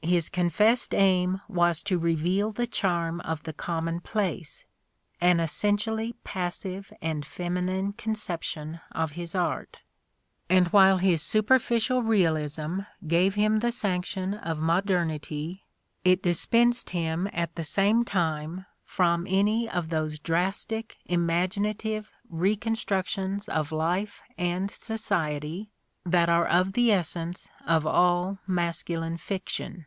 His confessed aim was to reveal the charm of the commonplace, an essentially passive and feminine conception of his art ; and while his super ficial realism gave him the sanction of modernity, it dis The Gilded Age 69 pensed him at the same time from any of those drastic imaginative reconstructions of life and society that are of the essence of all masculine fiction.